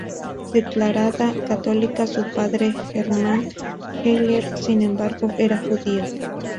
Declarada católica, su padre, Hermann Heller, sin embargo, era judío.